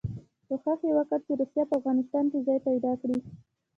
کوښښ یې وکړ چې روسیه په افغانستان کې ځای پیدا کړي.